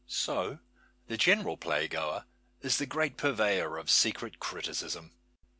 So the general playgoer is the great purveyor of secret criticism.